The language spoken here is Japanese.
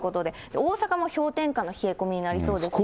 大阪なども氷点下の冷え込みになりそうですし。